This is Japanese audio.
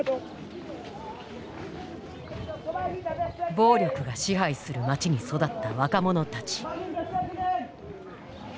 暴力が支配する街に育った若者たち。